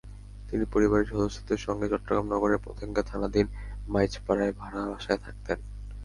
তিনি পরিবারের সদস্যদের সঙ্গে চট্টগ্রাম নগরের পতেঙ্গা থানাধীন মাইজপাড়ায় ভাড়া বাসায় থাকতেন।